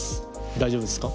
大丈夫ですか？